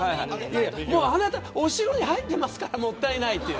あなた、お城に入ってますからもったいない。